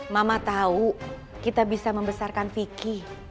mama tahu kita bisa membesarkan vicky